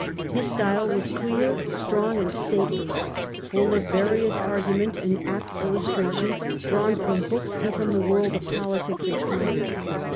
His style was clear, strong, and stately; full of various argument and apt illustration drawn from books and from the world of politics and commerce.